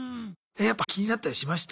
やっぱ気になったりしました？